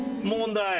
問題。